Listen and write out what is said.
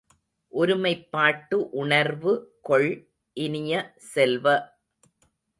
ஒருமைப்பாட்டு உணர்வு கொள் இனிய செல்வ!